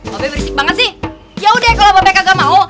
babek berisik banget sih yaudah kalo babek kagak mau